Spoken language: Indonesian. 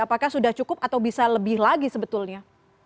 apakah sudah cukup atau bisa lebih lagi sebetulnya